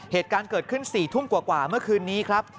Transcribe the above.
เหตุการณ์เกิดขึ้น๔ทุ่มกว่าเมื่อคืนนี้ครับ